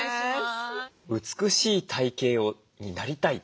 美しい体形になりたい。